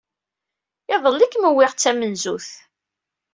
Iḍelli i kemm wwiɣ d tamenzut